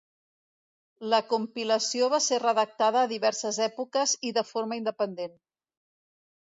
La compilació va ser redactada a diverses èpoques i de forma independent.